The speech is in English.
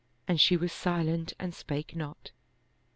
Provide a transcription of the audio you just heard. And she was silent and spake not.